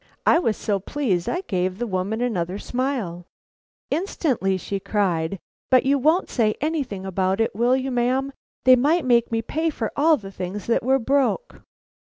I was so pleased I gave the woman another smile. Instantly she cried: "But you won't say anything about it, will you, ma'am? They might make me pay for all the things that were broke."